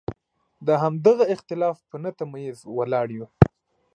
د همدغه اختلاف په نه تمیز ولاړ یو.